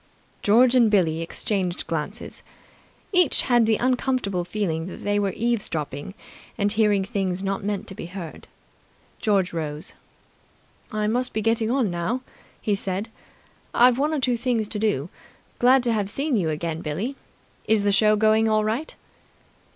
George and Billie exchanged glances. Each had the uncomfortable feeling that they were eavesdropping and hearing things not meant to be heard. George rose. "I must be getting along now," he said. "I've one or two things to do. Glad to have seen you again, Billie. Is the show going all right?"